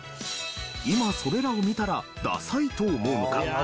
今それらを見たらダサいと思うのか？